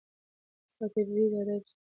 استاد حبیبي د ادب ستوری دی.